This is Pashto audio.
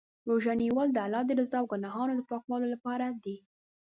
روژه نیول د الله د رضا او ګناهونو د پاکولو لپاره دی.